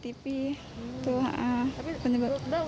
tapi sudah cukup terinformasi mbaknya gitu